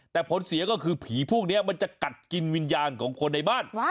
แต่ผลเสียก็คือผีพวกนี้มันจะกัดกินวิญญาณของคนในบ้าน